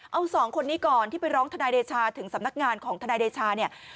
เอาสองคนนี้ก่อนที่ไปร้องทนายเดชาถึงสำนักงานของทนายเดชาเนี่ย